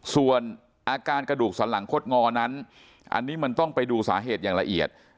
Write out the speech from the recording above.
ส่วนอาการกระดูกสันหลังคดงอนั้นอันนี้มันต้องไปดูสาเหตุอย่างละเอียด